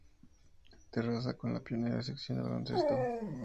Terrassa, con la pionera sección de baloncesto.